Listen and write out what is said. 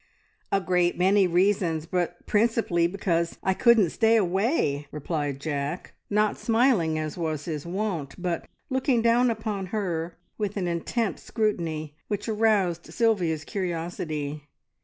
"A great many reasons, but principally because I couldn't stay away!" replied Jack, not smiling as was his wont, but looking down upon her with an intent scrutiny, which aroused Sylvia's curiosity.